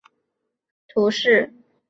松巴库人口变化图示